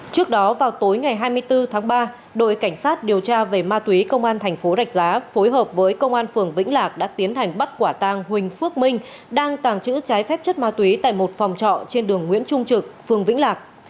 trước đó vào tối ngày hai mươi bốn tháng ba đội cảnh sát điều tra về ma túy công an thành phố rạch giá phối hợp với công an phường vĩnh lạc đã tiến hành bắt quả tang huỳnh phước minh đang tàng trữ trái phép chất ma túy tại một phòng trọ trên đường nguyễn trung trực phường vĩnh lạc